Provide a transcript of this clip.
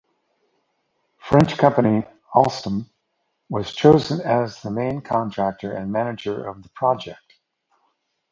French company Alstom was chosen as the main contractor and manager of the project.